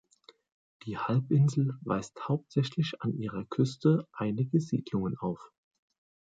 Die Halbinsel weist hauptsächlich an ihrer Küste einige Siedlungen auf.